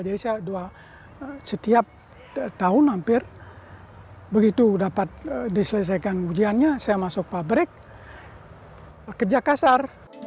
jadi saya dua setiap tahun hampir begitu dapat diselesaikan ujiannya saya masuk pabrik kerja kasar